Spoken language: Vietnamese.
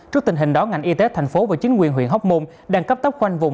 trước tình hình đó ngành y tế thành phố và chính quyền huyện hóc môn đang cấp tốc khoanh vùng